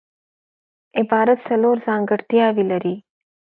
عبارت څلور ځانګړتیاوي لري.